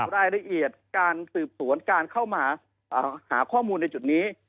รายละเอียดการสืบสวนการเข้ามาหาข้อมูลในจุดนี้